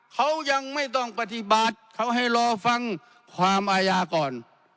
เขายังไม่ต้องปฏิบัติเขาให้รอฟังความอาญาก่อน